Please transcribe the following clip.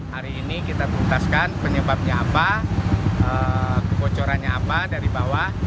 hari ini kita tuntaskan penyebabnya apa kebocorannya apa dari bawah